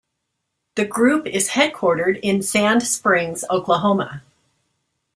The group is headquartered in Sand Springs, Oklahoma.